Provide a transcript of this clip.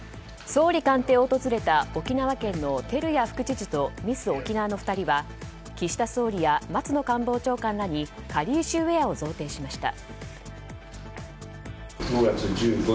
総理官邸を訪れた沖縄県の照屋副知事とミス沖縄の２人は岸田総理や松野官房長官らにかりゆしウェアを贈呈しました。